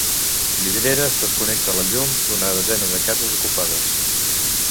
Vidreres desconnecta la llum d'una desena de cases ocupades.